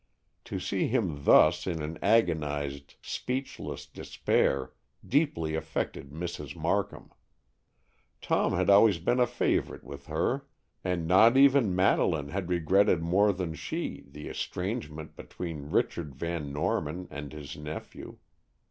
To see him thus in an agonized, speechless despair deeply affected Mrs. Markham. Tom had always been a favorite with her, and not even Madeleine had regretted more than she the estrangement between Richard Van Norman and his nephew.